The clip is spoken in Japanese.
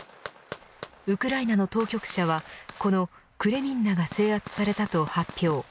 ウクライナの当局者はこのクレミンナが制圧されたと発表。